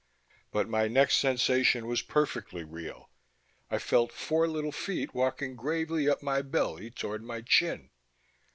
But my next sensation was perfectly real. I felt four little feet walking gravely up my belly toward my chin.